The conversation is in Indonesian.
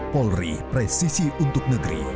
polri presisi untuk negeri